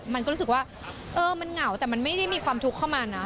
มันก็รู้สึกว่าเออมันเหงาแต่มันไม่ได้มีความทุกข์เข้ามานะ